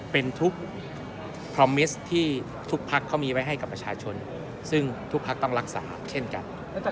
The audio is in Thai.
เป็นทุกที่ทุกภักดิ์เขามีไว้ให้กับประชาชนซึ่งทุกภักดิ์ต้องรักษาเช่นกัน